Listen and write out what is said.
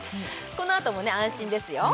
このあとも安心ですよ